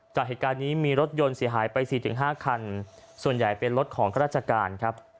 จากเหตุการณ์นี้มีรถยนต์เสียหายไป๔๕คันส่วนใหญ่เป็นรถของข้าราชการครับ